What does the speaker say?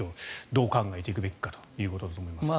どう考えていくべきかということですが。